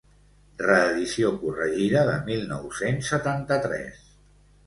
Reedició corregida de mil nou-cents setanta-tres.